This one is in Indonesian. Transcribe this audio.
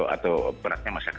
atau beratnya masyarakatnya